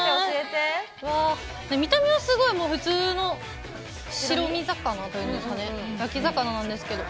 見た目は、すごい普通の白身魚というんですかね、焼き魚なんですけど。